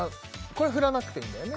これ振らなくていいんだよね？